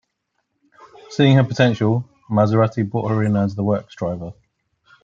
Seeing her potential, Maserati brought her in as the works driver.